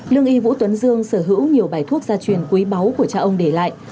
lương y vũ tuấn dương sở hữu nhiều bài thuốc gia truyền quý báu của cha ông để lại